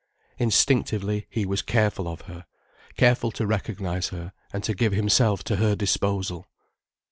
Instinctively he was careful of her, careful to recognize her and to give himself to her disposal.